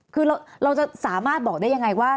คือเราจะสามารถบอกได้ยังไงว่า